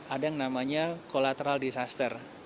ada yang namanya collateral disaster